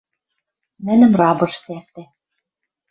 Нӹнӹм рабыш сӓртӓ.